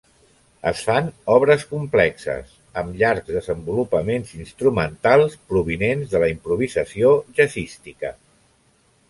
Es fan obres complexes, amb llargs desenvolupaments instrumentals provinents de la improvisació jazzística.